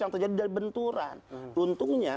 yang terjadi dari benturan untungnya